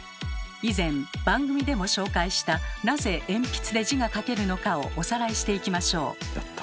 以前番組でも紹介したなぜ鉛筆で字が書けるのかをおさらいしていきましょう。